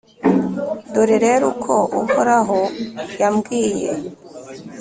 Dore rero uko Uhoraho yambwiye: